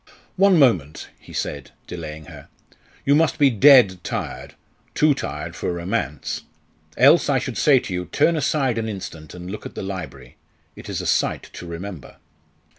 "One moment" he said, delaying her. "You must be dead tired too tired for romance. Else I should say to you, turn aside an instant and look at the library. It is a sight to remember."